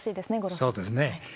そうですね。